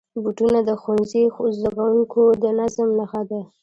بوټونه د ښوونځي زدهکوونکو د نظم نښه ده.